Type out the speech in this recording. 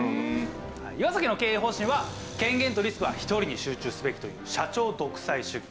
岩崎の経営方針は権限とリスクは１人に集中すべきという社長独裁主義。